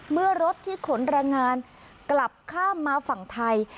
เมื่อรถที่ขนแรงงานกลับข้ามมาฝั่งไทย